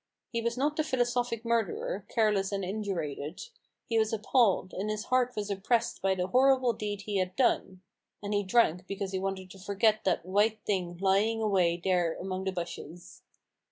He was not the philosophic murderer, careless and indurated : he was appalled, and his heart was oppressed by the horrible deed he had done ; and he l68 A BOOK OF BARGAINS. drank because he wanted to forget that white thing lying away there among the bushes.